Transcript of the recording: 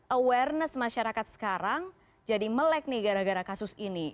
awareness masyarakat sekarang jadi melek nih gara gara kasus ini